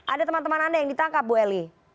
ada teman teman anda yang ditangkap bu eli